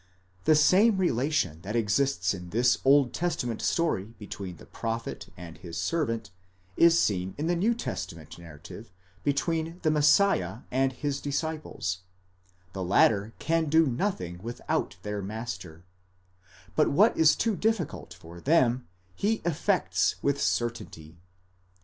The same relation that exists in this Old Testament story between the prophet and his servant, is seen in the New Testament narrative between the Messiah and his disciples : the latter can do nothing without their master, but what was too difficult for them, he effects with certainty.